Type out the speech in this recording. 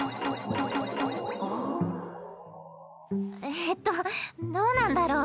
えっとどうなんだろ？